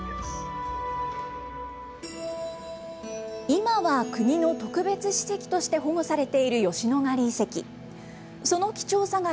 今は国の特別史跡として保護されている吉野ヶ里遺跡。